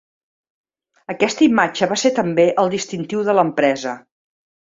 Aquesta imatge va ser també el distintiu de l'empresa.